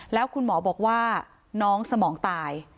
แล้วคุณหมอบอกว่าน้องสมองตาย